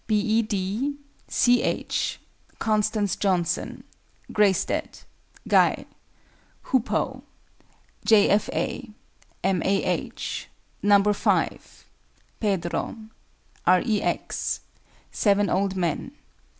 B. E. D. C. H. CONSTANCE JOHNSON. GREYSTEAD. GUY. HOOPOE. J. F. A. M. A. H. NUMBER FIVE. PEDRO. R. E. X. SEVEN OLD MEN.